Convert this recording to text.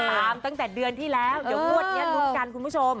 ตั้งแต่เดือนที่แล้วเดี๋ยวงวดนี้ลุ้นกันคุณผู้ชม